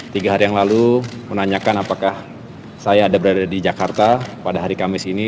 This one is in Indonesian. tiga hari yang lalu menanyakan apakah saya ada berada di jakarta pada hari kamis ini